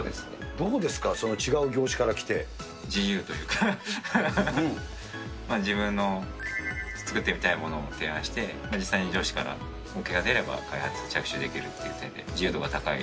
どうですか、違う業種から来自由というか、自分の作ってみたいものを提案して、実際に上司からＯＫが出れば開発着手できるっていう点で、自由度が高い。